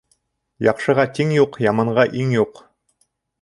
Яҡшыға тиң юҡ, яманға иң юҡ.